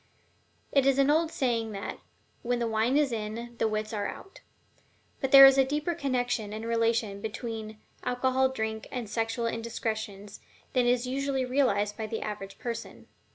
It is an old saying that "When the wine is in, the wits are out." But there is a deeper connection and relation between alcoholic drink and sexual indiscretions than is usually realized by the average person.